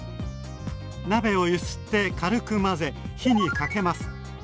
鍋を揺すって軽く混ぜ火にかけます。